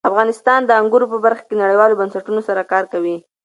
افغانستان د انګور په برخه کې نړیوالو بنسټونو سره کار کوي.